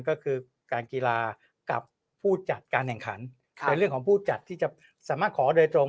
ก็คือการกีฬากับผู้จัดการแข่งขันในเรื่องของผู้จัดที่จะสามารถขอโดยตรง